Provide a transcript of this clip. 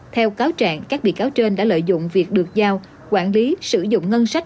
theo cáo trạng các bị cáo trên đã lợi dụng việc được giao quản lý sử dụng ngân sách